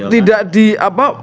tidak di apa